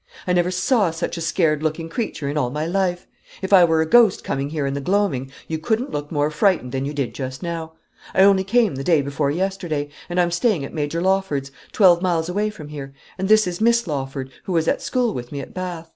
I never saw such a scared looking creature in all my life. If I were a ghost coming here in the gloaming, you couldn't look more frightened than you did just now. I only came the day before yesterday and I'm staying at Major Lawford's, twelve miles away from here and this is Miss Lawford, who was at school with me at Bath.